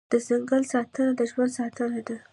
د ځنګل ساتنه د ژوند ساتنه ده